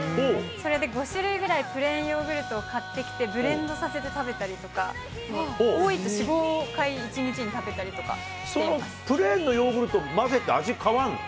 それで５種類ぐらいプレーンヨーグルトを買ってきて、ブレンドさせて食べたりとか、多いと４、５回、１日に食べたりとかしてまそのプレーンのヨーグルト、混ぜて味、変わるの？